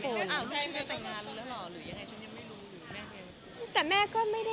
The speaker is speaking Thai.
ก็บอกว่าเซอร์ไพรส์ไปค่ะ